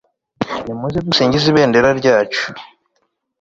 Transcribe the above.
nimuze dusingize ibendera ryacu